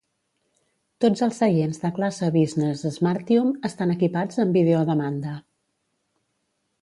Tots els seients de classe business "smartium" estan equipats amb vídeo a demanda.